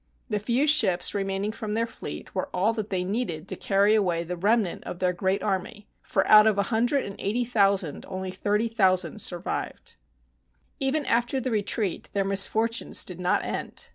The few ships remaining from their fleet were all that they needed to carry away the remnant of their great army, for out of a hundred and eighty thousand only thirty thousand survived. [ 144] CONSTANTINOPLE Even after the retreat their misfortunes did not end.